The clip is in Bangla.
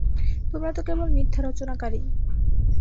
তোমরা তো কেবল মিথ্যা রচনাকারী।